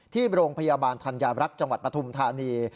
ที่โรงพยาบาลธัญรักษ์จังหวัดปฐุมธานี